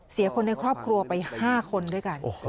คนในครอบครัวไป๕คนด้วยกัน